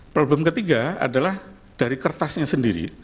problem ketiga adalah dari kertasnya sendiri